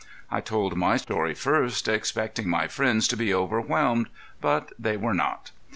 I told my story first, expecting my friends to be overwhelmed, but they were not.